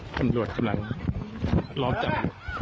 ตำรวจกำลังล้อมจับ